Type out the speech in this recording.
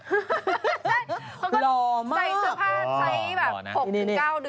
ก็ใส่สภาพ๖๙เดือนอะ